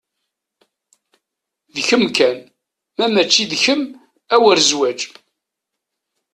D kem kan, ma mači d kem a wer zwaǧ.